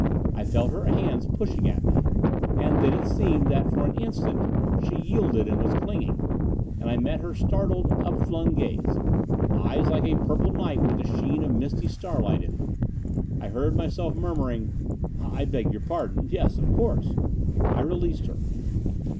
I felt her hands pushing at me. And then it seemed that for an instant she yielded and was clinging. And I met her startled, upflung gaze. Eyes like a purple night with the sheen of misty starlight in them. I heard myself murmuring, "I beg your pardon. Yes, of course!" I released her.